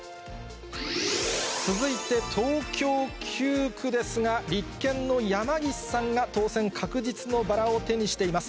続いて東京９区ですが、立憲の山岸さんが当選確実のバラを手にしています。